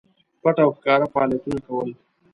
پټ او ښکاره فعالیتونه کول.